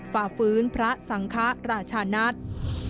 ฝ่าฟื้นพระสังครราชนัตริย์